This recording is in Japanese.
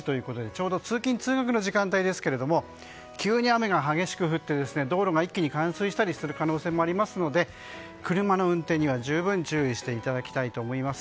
ちょうど通勤・通学の時間帯ですが急に雨が激しく降って道路が一気に冠水したりする可能性もありますので車の運転には十分注意していただきたいと思います。